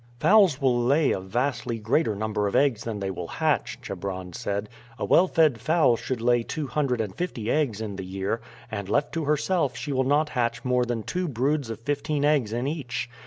"Fowls will lay a vastly greater number of eggs than they will hatch," Chebron said. "A well fed fowl should lay two hundred and fifty eggs in the year; and, left to herself, she will not hatch more than two broods of fifteen eggs in each.